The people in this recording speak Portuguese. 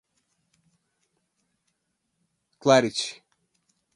cat, cayenne, cel, cecil, ceylon, cerner, chapel, charity, charm, chipmunk